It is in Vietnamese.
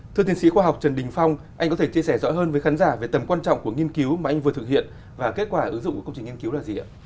thưa tiến sĩ khoa học trần đình phong anh có thể chia sẻ rõ hơn với khán giả về tầm quan trọng của nghiên cứu mà anh vừa thực hiện và kết quả ứng dụng của công trình nghiên cứu là gì ạ